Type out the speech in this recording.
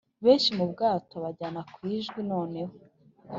benshi mu bwato abajyana ku Idjwi noneho